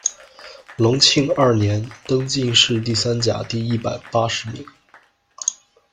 隆庆二年，登进士第三甲第一百八十名。